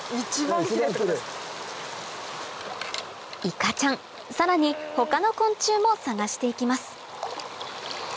いかちゃんさらに他の昆虫も探して行きます